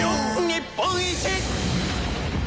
日本一！」